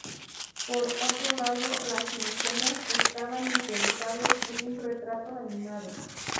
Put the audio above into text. Por otro lado, los mecenas estaban interesados en un retrato animado.